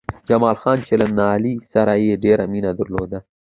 جمال خان چې له نايلې سره يې ډېره مينه درلوده